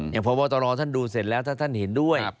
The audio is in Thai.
อย่างพวกัวตราวท่านเดินแล้วถ้าเห็นด้วย